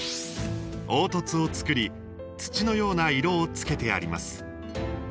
凹凸を作り土のような色をつけてあります。